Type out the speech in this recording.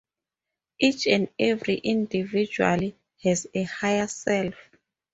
Each and every individual has a Higher self.